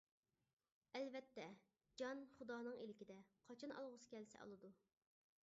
ئەلۋەتتە، جان خۇدانىڭ ئىلكىدە، قاچان ئالغۇسى كەلسە ئالىدۇ.